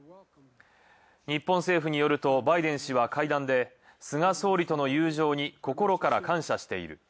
日本政府によると、バイデン氏は会談で、「菅総理との友情に心から感謝している。